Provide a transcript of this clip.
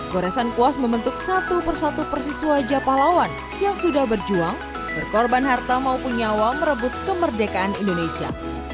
goresan kuas membentuk satu persatu persis wajah pahlawan yang sudah berjuang berkorban harta maupun nyawa merebut kemerdekaan indonesia